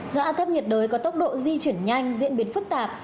do áp thấp nhiệt đới có tốc độ di chuyển nhanh diễn biến phức tạp